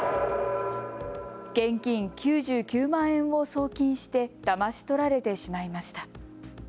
現金９９万円を送金してだまし取られてしまいました。